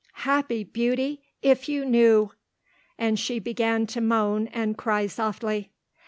"Happy, Beauty if you knew," and she began, to moan and cry softly.